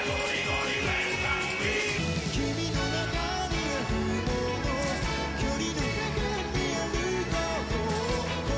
「君の中にあるもの距離の中にある鼓動」